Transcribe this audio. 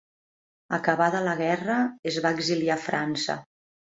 Acabada la guerra, es va exiliar a França.